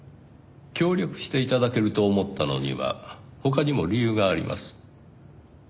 協力して頂けると思ったのには他にも理由があります。